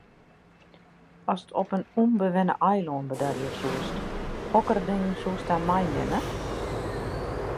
Ast op in ûnbewenne eilân bedarje soest, hokker dingen soest dan mei dy meinimme?